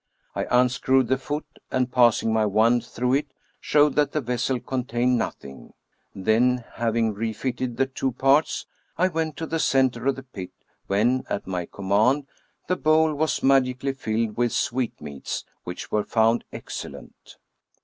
I unscrewed the foot, and passing my wand through it showed that the vessel contained nothing ; then, having refitted the two parts, I went to the center of the pit, when, at my command, the bowl was magically filled with sweetmeats, which were found excellent.